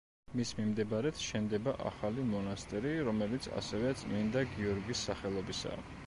მის მიმდებარედ შენდება ახალი მონასტერი, რომელიც ასევე წმინდა გიორგის სახელობისაა.